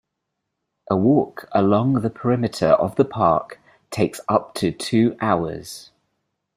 A walk along the perimeter of the park takes up to two hours.